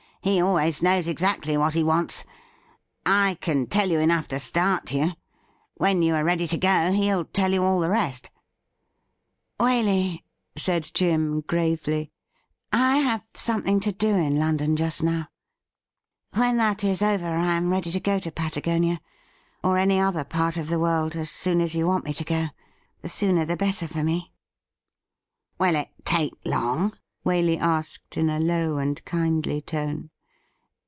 He always knows exactly what he wants. I can tell you enough to start you ; when you are ready to go, he'll tell you all the rest' ' Waley,' said Jim gravely, ' I ha, ve something to do in 252 THE RIDDLE RING London just now. When that is over, I am ready to go to Patagonia or any other part of the world as soon as you want me to go — ^the sooner the better for me.' ' Will it take long ?' Waley asked in a low and kindly tone.